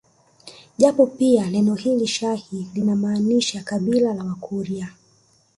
Japo pia neno hili shahi linamaanisha kabila la Wakurya